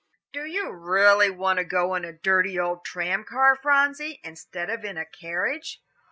"Do you really want to go in a dirty old tram car, Phronsie, instead of in a carriage?"